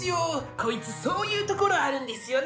こいつそういうところあるんですよね。